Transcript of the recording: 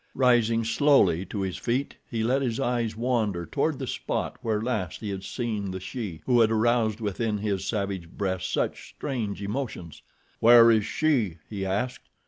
Rising slowly to his feet he let his eyes wander toward the spot where last he had seen the she, who had aroused within his savage breast such strange emotions. "Where is she?" he asked.